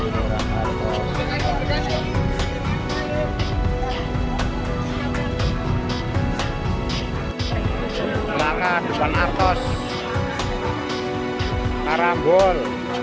merah depan argos karambol